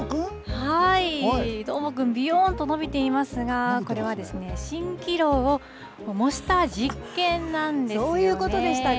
どーもくん、びよんと伸びていますが、これは、しんきろうを模した実験なんですそういうことでしたか。